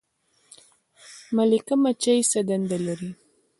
ملکه مچۍ څه دنده لري؟